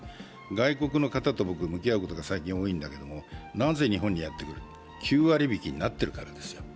外国の方と向き合うことが最近多いんだけど、なぜ日本に来るのか、９割引になっているからです。